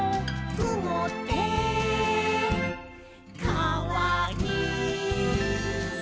「くもってかわいい」